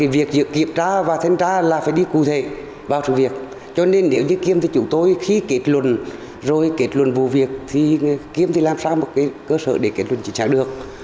và kiểm tra là phải đi cụ thể vào sự việc cho nên nếu như kiếm thì chủ tôi khi kết luận rồi kết luận vụ việc thì kiếm thì làm sao một cơ sở để kết luận chính xác được